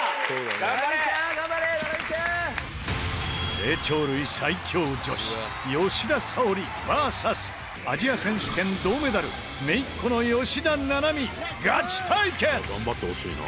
霊長類最強女子吉田沙保里ＶＳアジア選手権銅メダル姪っ子の吉田七名海ガチ対決！